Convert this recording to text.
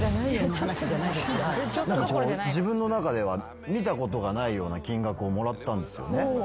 自分の中では見たことがないような金額をもらったんですよね。